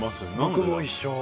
僕も一緒。